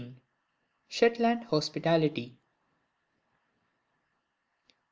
SHETLAND HOSPITALITY.